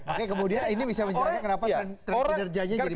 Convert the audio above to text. makanya kemudian ini bisa menjelaskan kenapa terkinerjanya jadi bagus